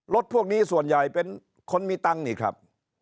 พวกนี้ส่วนใหญ่เป็นคนมีตังค์นี่ครับ